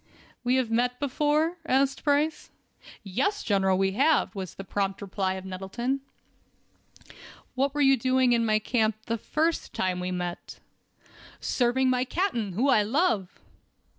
"We have met before?" asked Price. "Yes, General, we have," was the prompt reply of Nettleton. "What were you doing in my camp the first time we met?" "Serving my captain, whom I love."